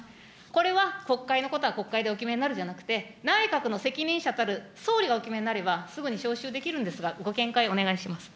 これは、国会のことは国会でお決めになるではなくて、内閣の責任者たる総理がお決めになれば、すぐに召集できるんですが、ご見解お願いします。